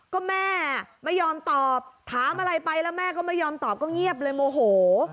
ก็แม่ไม่ยอมตอบถามอะไรไปแล้วแม่ก็ไม่ยอมตอบก็เงียบเลยโมโห